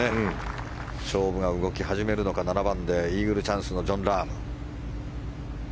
勝負が動き始めるのか７番でイーグルチャンスのジョン・ラーム。